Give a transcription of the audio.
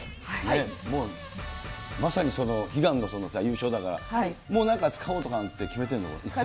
もう、まさにその、悲願の優勝だから、もうなんか使おうとかなんて決めてるの？